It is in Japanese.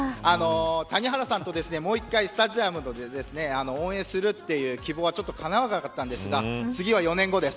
谷原さんともう一回スタジアムで応援するという希望はかなわなかったんですが次は４年後です。